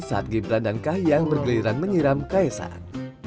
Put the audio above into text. saat gibran dan kahiyang bergeliran menyiram kaisang